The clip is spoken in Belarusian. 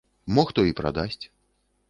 Мо хто і прадасць.